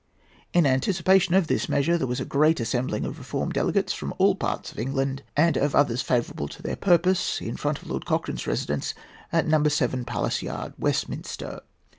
In anticipation of this measure, there was a great assembling of reform delegates from all parts of England, and of others favourable to their purpose, in front of Lord Cochrane's residence at No. 7, Palace Yard, Westminster.